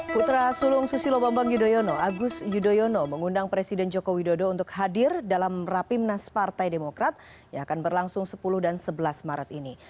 putra sulung susilo bambang yudhoyono agus yudhoyono mengundang presiden joko widodo untuk hadir dalam rapimnas partai demokrat yang akan berlangsung sepuluh dan sebelas maret ini